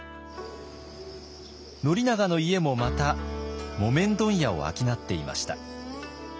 宣長の家もまた木綿問屋を商っていました。